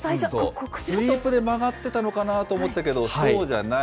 スイープで曲がってたのかなと思ってたけど、そうじゃない。